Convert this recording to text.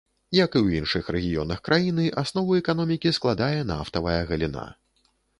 Як і ў іншых рэгіёнах краіны, аснову эканомікі складае нафтавая галіна.